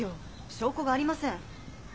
証拠がありません。